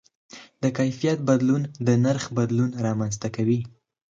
د کیفیت بدلون د نرخ بدلون رامنځته کوي.